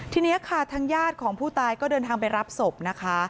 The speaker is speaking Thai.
ทีนี้ค่ะทางญาติของผู้ตายก็เดินทางไปรับศพนะคะ